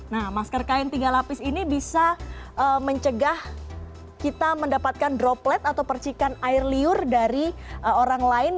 nah masker kain tiga lapis ini bisa mencegah kita mendapatkan droplet atau percikan air liur dari orang lain